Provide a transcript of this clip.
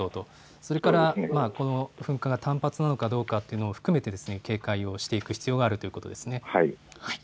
それからこの噴火が単発なのかどうかということも含めて警戒していく必要があるということですね。